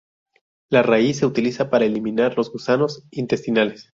La raíz se utiliza para eliminar los gusanos intestinales.